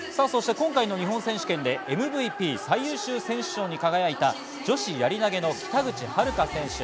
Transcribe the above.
今回の日本選手権でＭＶＰ最優秀選手賞に輝いた女子やり投げの北口榛花選手。